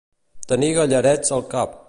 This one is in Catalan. Tenir gallarets al cap.